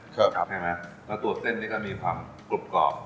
ใช่ไหมแล้วตัวเส้นนี้ก็มีความกรุบกรอบ